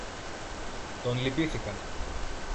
Τον λυπήθηκα